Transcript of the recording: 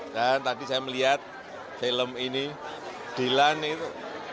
dan tadi saya melihat film ini dilan itu